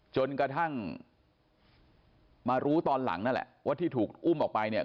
จนกระทั่งมารู้ตอนหลังนั่นแหละว่าที่ถูกอุ้มออกไปเนี่ย